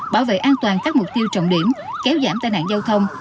bảo vệ an toàn các mục tiêu trọng điểm kéo giảm tai nạn giao thông